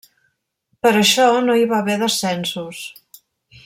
Per això no hi va haver descensos.